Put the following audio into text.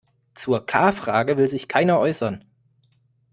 Zur K-Frage will sich keiner äußern.